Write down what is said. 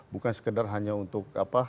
bukan sekedar hanya untuk apa